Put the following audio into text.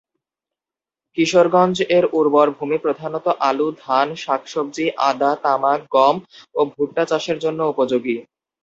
কিশোরগঞ্জ এর উর্বর ভূমি প্রধানত আলু, ধান, শাকসবজি, আদা, তামাক, গম ও ভুট্টা চাষের জন্য উপযোগী।